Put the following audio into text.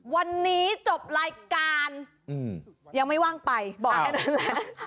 วันนี้จบรายการยังไม่ว่างไปบอกแค่นั้นแหละ